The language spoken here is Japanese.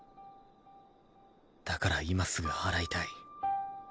だから今すぐ祓いたい。